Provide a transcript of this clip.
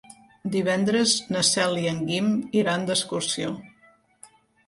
Divendres na Cel i en Guim iran d'excursió.